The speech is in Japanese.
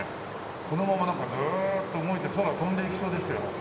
このままなんかずっと動いて空飛んでいきそうですよ。